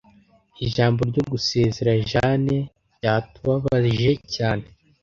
Ijambo ryo gusezera Jane ryatubabaje cyane.